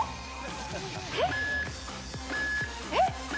えっ？えっ？